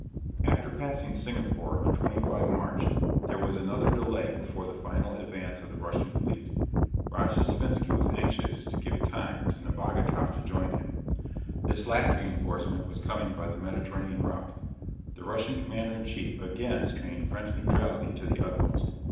After passing Singapore, on 25 March, there was another delay before the final advance of the Russian fleet. Rojdestvensky was anxious to give time to Nebogatoff to join him. This last reinforcement was coming by the Mediterranean route. The Russian commander in chief again strained French neutrality to the utmost.